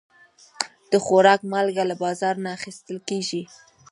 د خوراک مالګه له بازار نه اخیستل کېږي.